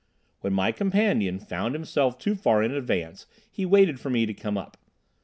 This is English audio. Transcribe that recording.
When my companion found himself too far in advance, he waited for me to come up.